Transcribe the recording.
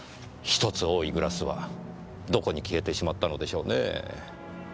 １つ多いグラスはどこに消えてしまったのでしょうねぇ。